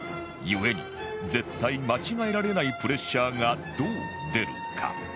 故に絶対間違えられないプレッシャーがどう出るか？